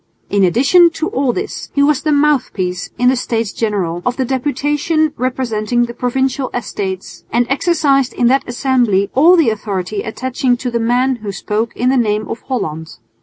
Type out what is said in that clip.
In addition to all this he was the mouthpiece in the States General of the deputation representing the Provincial Estates, and exercised in that assembly all the authority attaching to the man who spoke in the name of Holland.